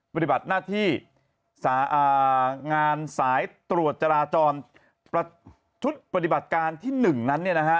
ปฏิบัติหน้าที่งานสายตรวจจราจรชุดปฏิบัติการที่๑นั้น